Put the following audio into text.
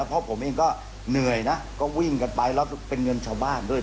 เพราะผมเองก็เหนื่อยนะก็วิ่งกันไปแล้วเป็นเงินชาวบ้านด้วย